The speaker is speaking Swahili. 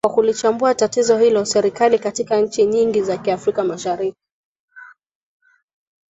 kwa kulichambua tatizo hilo serikali katika nchi nyingi za afrika mashariki